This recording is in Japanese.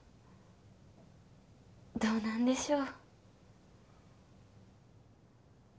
どうなんでしょう